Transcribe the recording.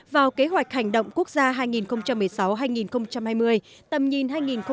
vào kế hoạch hành động quốc gia hai nghìn một mươi sáu hai nghìn hai mươi tầm nhìn hai nghìn hai mươi năm